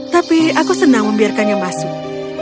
tapi aku senang membiarkannya masuk